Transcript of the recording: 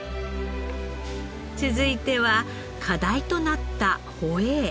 続いては課題となったホエー。